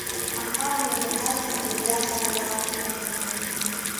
Ахаан иабахьазма убри аҟара ауаа рацәа еизаны.